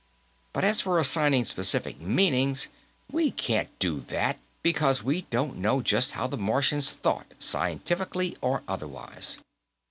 But as for assigning specific meanings, we can't do that because we don't know just how the Martians thought, scientifically or otherwise."